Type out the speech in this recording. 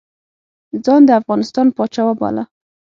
ځان د افغانستان پاچا وباله.